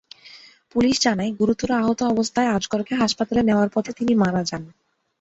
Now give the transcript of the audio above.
Police জানায়, গুরুতর আহত অবস্থায় আজগরকে হাসপাতালে নেওয়ার পথে তিনি মারা যান।